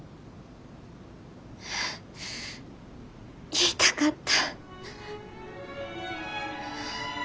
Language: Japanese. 言いたかった。